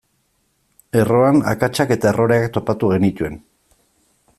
Erroan akatsak eta erroreak topatu genituen.